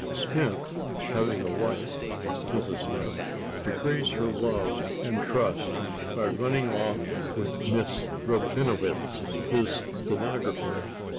Smith, having a wife, Mrs. Smith, betrays her love and trust by running off with Miss Rabinowitz, his stenographer.